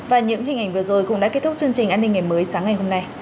và những hình ảnh vừa rồi cũng đã kết thúc chương trình an ninh ngày mới sáng ngày hôm nay